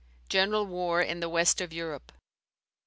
General war in the west of Europe.